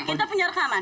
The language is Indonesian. kita punya rekaman